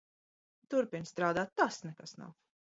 Turpini strādāt. Tas nekas nav.